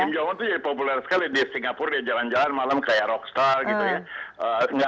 kim jong un itu jadi populer sekali di singapura dia jalan jalan malam kayak rockstar gitu ya